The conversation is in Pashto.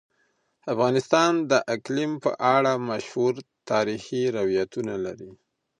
افغانستان د اقلیم په اړه مشهور تاریخی روایتونه لري.